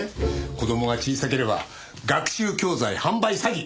子供が小さければ学習教材販売詐欺。